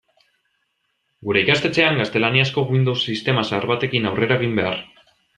Gure ikastetxean gaztelaniazko Windows sistema zahar batekin aurrera egin behar.